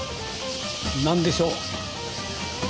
何でしょう？